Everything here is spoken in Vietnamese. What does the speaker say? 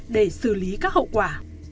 để xử lý các hậu quả